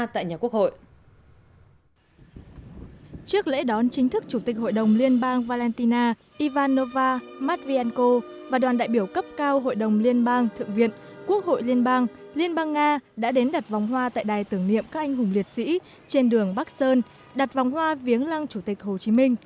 trước lễ đón chính thức chủ tịch hội đồng liên bang valentina ivanova matvienko và đoàn đại biểu cấp cao hội đồng liên bang thượng viện quốc hội liên bang liên bang nga đã đến đặt vòng hoa tại đài tưởng niệm các anh hùng liệt sĩ trên đường bắc sơn đặt vòng hoa viếng lăng chủ tịch hồ chí minh